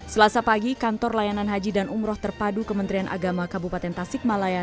selasa pagi kantor layanan haji dan umroh terpadu kementerian agama kabupaten tasikmalaya